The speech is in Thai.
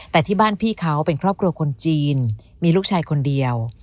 แต่ที่บ้านพี่เขาเป็นครอบครัวคนจีนมีลูกชายคนเดียว